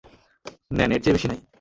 নেন, এর চেয়ে বেশি নাই।